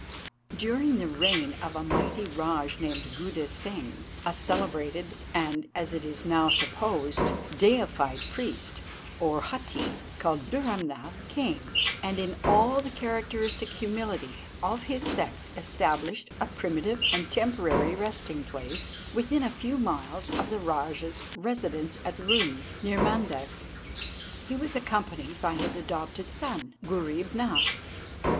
During the reign of a mighty rajah named Guddeh Sing, a celebrated, and as it is now supposed, deified priest, or hutteet, called Dhurrumnath, came, and in all the characteristic humility of his sect established a primitive and temporary resting place within a few miles of the rajah's residence at Runn, near Mandavie. He was accompanied by his adopted son, Ghurreeb Nath.